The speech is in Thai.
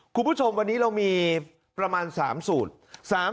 คุณผู้ชมวันนี้เรามีประมาณ๓สูตร